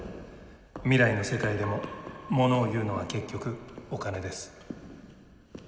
未来の世界でも物を言うのは結局お金です。